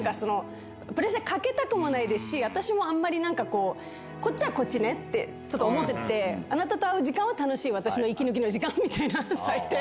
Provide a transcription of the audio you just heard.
プレッシャーかけたくもないですし、私もあんまり、なんかこう、こっちはこっちねって、ちょっと思ってて、あなたと会う時間は楽しい私の息抜きの時間みたいな、最低。